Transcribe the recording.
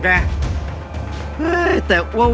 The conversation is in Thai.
หาดู